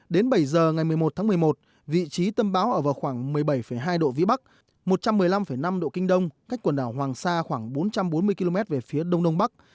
đến bảy giờ ngày một mươi một tháng một mươi một vị trí tâm bão ở vào khoảng một mươi bảy hai độ vĩ bắc một trăm một mươi năm năm độ kinh đông cách quần đảo hoàng sa khoảng bốn trăm bốn mươi km về phía đông đông bắc